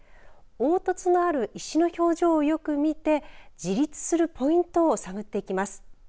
凹凸のある石の表情をよく見て自立するポイントを探っていきます。